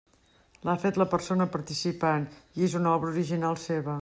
L'ha fet la persona participant i és una obra original seva.